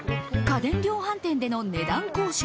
家電量販店での値段交渉。